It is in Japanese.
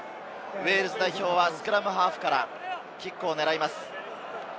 ウェールズ代表はスクラムハーフからキックを狙います。